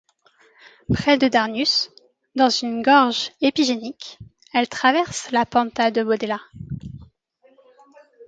Près de Darnius, dans une gorge épigénique, elle traverse la pantà de Boedella.